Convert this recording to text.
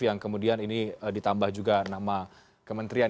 yang kemudian ini ditambah juga nama kementerian